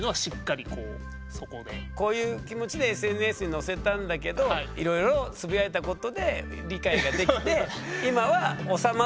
こういう気持ちでＳＮＳに載せたんだけどいろいろつぶやいたことで理解ができて今は収まってますっていう動画だ。